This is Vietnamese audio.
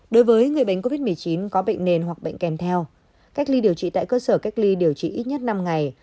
đối với người bệnh covid một mươi chín có bệnh nền hoặc bệnh kèm theo cách ly điều trị tại cơ sở cách ly điều trị ít nhất năm ngày